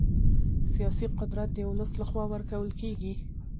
سیاسي قدرت د ولس له خوا ورکول کېږي